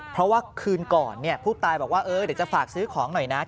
เพราะว่าคืนก่อนผู้ตายบอกว่าเดี๋ยวจะฝากซื้อของหน่อยนะ